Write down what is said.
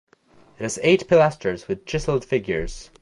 It has eight pilasters with chiseled figures.